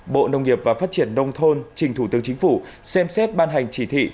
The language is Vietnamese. bộ nông nghiệp và phát triển nông thôn trình thủ tướng chính phủ xem xét ban hành chỉ thị